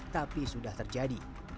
tapi sudah terjadi